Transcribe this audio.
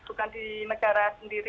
bukan di negara sendiri